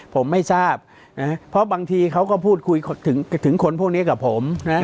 ผมไม่ทราบเนี่ยเพราะบางทีเขาก็พูดคุยถึงถึงคนพวกเนี้ยกับผมเนี่ย